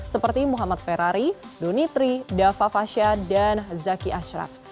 seperti muhammad ferrari donitri dava fasya dan zaki ashraf